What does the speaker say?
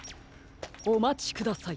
おまちください。